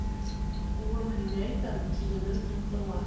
Улым, һиңә әйтәм, киленем, һин тыңла.